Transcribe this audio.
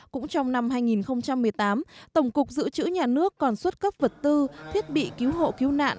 cũng trong năm hai nghìn một mươi tám tổng cục dự trữ nhà nước còn xuất cấp vật tư thiết bị cứu hộ cứu nạn